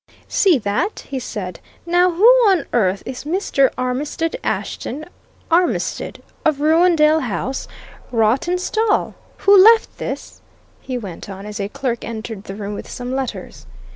"See that?" he said. "Now, who on earth is Mr. Armitstead Ashton Armitstead, of Rouendale House, Rawtenstall? Who left this?" he went on, as a clerk entered the room with some letters.